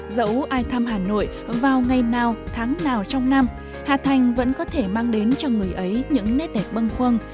dẫu ai thăm hà nội vào ngày nào tháng nào trong năm hà thành vẫn có thể mang đến cho người ấy những nét đẹp băng khoăn